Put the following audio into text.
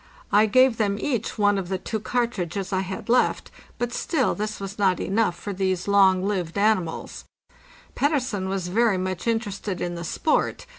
I gave them each one of the two cartridges I had left, but still this was not enough for these long lived animals. Pettersen was very much interested in the sport.